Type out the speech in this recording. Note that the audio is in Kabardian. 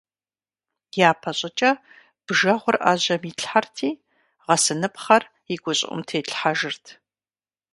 ЯпэщӀыкӀэ бжэгъур Ӏэжьэм итлъхьэрти, гъэсыныпхъэр и гущӀыӀум тетлъхьэжырт.